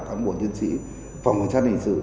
cám bộ nhân sĩ phòng cảnh sát điện sử